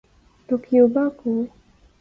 تو کیوبا کو۔